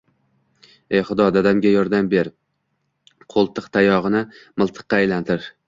“Ey Xudo, dadamga yordam ber, qoʻltiqtayogʻini miltiqqa aylantir.